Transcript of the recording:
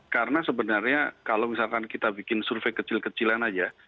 karena sebenarnya kalau misalkan kita bikin survei kecil kecilan saja